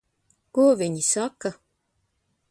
Ko viņi saka?